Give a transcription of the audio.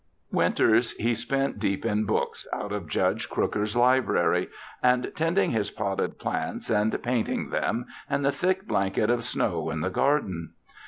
Winters he spent deep in books out of Judge Crooker's library and tending his potted plants and painting them and the thick blanket of snow in the garden.